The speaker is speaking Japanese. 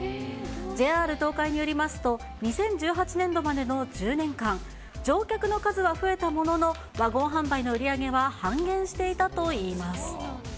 ＪＲ東海によりますと、２０１８年度までの１０年間、乗客の数は増えたものの、ワゴン販売の売り上げは半減していたといいます。